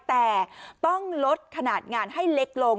แต่ต้องลดขนาดงานให้เล็กลง